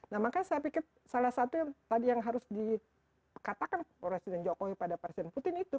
nah makanya saya pikir salah satu yang tadi yang harus dikatakan presiden jokowi pada presiden putin itu